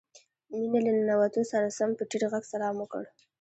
مينې له ننوتو سره سم په ټيټ غږ سلام وکړ.